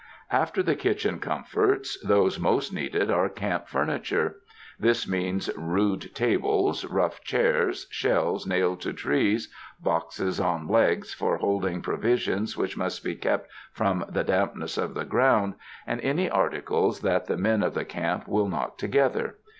After the kitchen comforts, those most needed are camp furniture. This means rude tables, rough chairs, shelves nailed to trees, boxes on legs for hold ing provisions which must be kept from the damp ness of the ground, and any articles that the men of the camp will knock together.